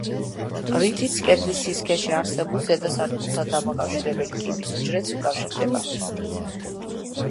რითიც კედლის სისქეში არსებულ, ზედა სართულთან დამაკავშირებელი კიბის უჯრედს უკავშირდება.